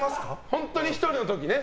本当に１人の時ね。